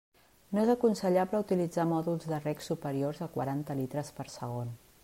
No és aconsellable utilitzar mòduls de reg superiors a quaranta litres per segon.